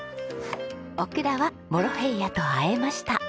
オクラはモロヘイヤとあえました。